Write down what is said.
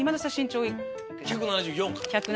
１７４かな。